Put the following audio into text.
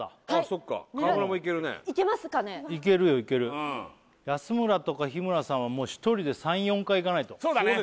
そっか川村もいけるねいけますかねいけるよいける安村とか日村さんはもう１人で３４回いかないとそうだね